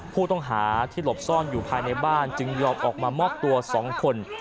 ผู้ต้องหาที่หลบซ่อนอยู่ภายในบ้านจึงยอมออกมามอบตัว๒คน